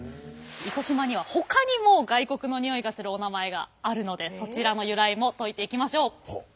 糸島にはほかにも外国のにおいがするお名前があるのでそちらの由来も説いていきましょう！